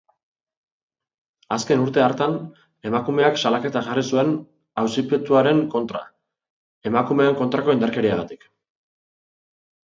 Azken urte hartan, emakumeak salaketa jarri zuen auzipetuaren kontra emakumeen kontrako indarkeriagatik.